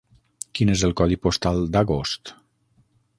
Quin és el codi postal d'Agost?